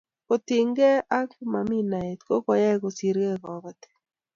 kotiny gee ak mami naet kokoai kosirgei kabatik